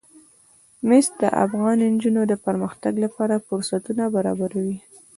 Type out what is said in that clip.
مس د افغان نجونو د پرمختګ لپاره فرصتونه برابروي.